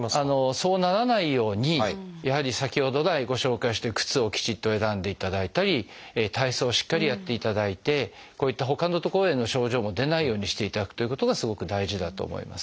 そうならないようにやはり先ほど来ご紹介してる靴をきちっと選んでいただいたり体操をしっかりやっていただいてこういったほかの所での症状も出ないようにしていただくということがすごく大事だと思います。